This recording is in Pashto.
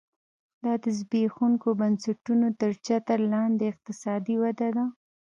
دا د زبېښونکو بنسټونو تر چتر لاندې اقتصادي وده ده